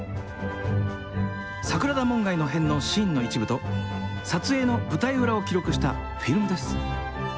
桜田門外の変のシーンの一部と撮影の舞台裏を記録したフィルムです。